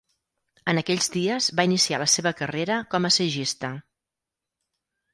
En aquells dies va iniciar la seva carrera com a assagista.